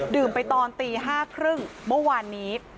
ไปตอนตี๕๓๐เมื่อวานนี้